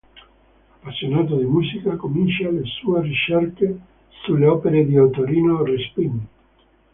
Appassionato di musica, comincia le sue ricerche sulle opere di Ottorino Respighi.